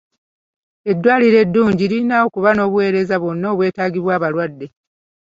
Eddwaliro eddungi lirina okuba n'obuweereza bwonna obwetaagibwa abalwadde.